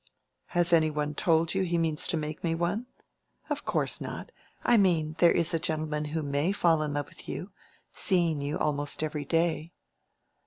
"Has any one told you he means to make me one?" "Of course not. I mean, there is a gentleman who may fall in love with you, seeing you almost every day."